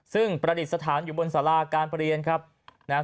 ซึ่งประดิษฐานอยู่บนสาราการประเรียนครับนะฮะ